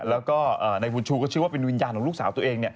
แล้วก็นายบุญชูก็เชื่อว่าเป็นวิญญาณของลูกสาวตัวเอง